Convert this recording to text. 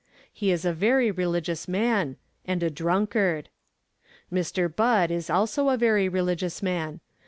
He is a very religious man and a drunkard! Mr. Budd is also a very religious man.